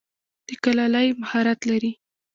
د کلالۍ مهارت لری؟